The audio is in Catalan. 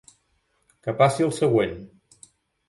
Que passi el següent.